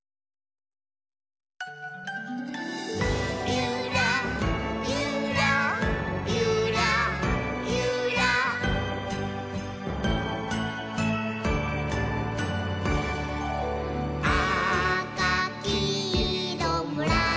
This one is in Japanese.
「ゆらゆらゆらゆら」「あかきいろむらさきしろ」